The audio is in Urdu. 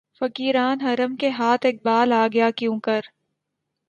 فقیران حرم کے ہاتھ اقبالؔ آ گیا کیونکر